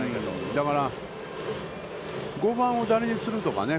だから、５番を誰にするとかね。